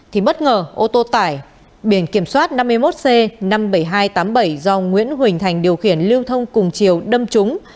thì bất ngờ ô tô tải biển kiểm soát năm mươi một c năm mươi bảy nghìn hai trăm tám mươi bảy do nguyễn huỳnh thành điều khiển lưu thông cùng chiều đâm trúng